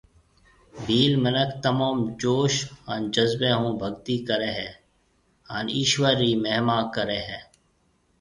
ڀيل منک تموم جوش هان جذبيَ هون ڀگتِي ڪري هي هان ايشور رِي مهما ڪريَ هيَ